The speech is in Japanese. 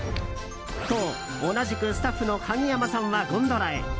と、同じくスタッフの鍵山さんはゴンドラへ。